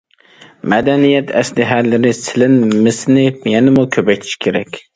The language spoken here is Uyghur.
مەدەنىيەت ئەسلىھەلىرى سېلىنمىسىنى يەنىمۇ كۆپەيتىش كېرەك.